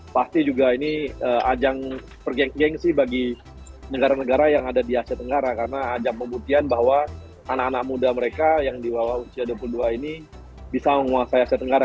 pasti juga ini ajang per geng geng sih bagi negara negara yang ada di asia tenggara karena ajang pembuktian bahwa anak anak muda mereka yang di bawah usia dua puluh dua ini bisa menguasai asia tenggara